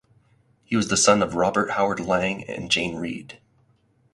He was the son of Robert Howard Lang and Jane Reid.